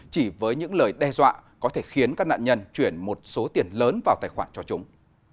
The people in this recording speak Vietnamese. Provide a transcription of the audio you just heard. chỉ với những lời đe dọa có thể khiến các nạn nhân chuyển một số tiền lớn vào tài khoản cho chúng